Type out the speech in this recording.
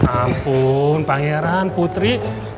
ampun pangeran putri